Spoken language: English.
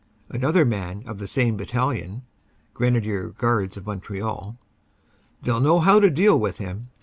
Another man of the same battalion (Grenadier Guards of Montreal) : "They ll know how to deal with him.